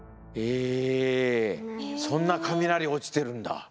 へえそんな雷落ちてるんだ。